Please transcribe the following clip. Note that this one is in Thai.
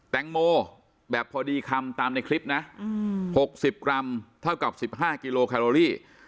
แตงโมแบบพอดีคำตามในคลิปนะ๖๐กรัมเท่ากับ๑๕กิโลแคโรลี่